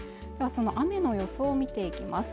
その雨の予想を見ていきます